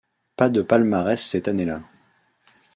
Pas de palmarès cette année-là.